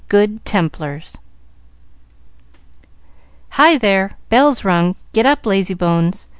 Good Templars "Hi there! Bell's rung! Get up, lazy bones!"